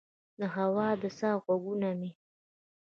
د هوا د سا ه ږغونه مې